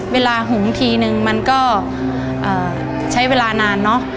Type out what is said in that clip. หุงทีนึงมันก็ใช้เวลานานเนอะ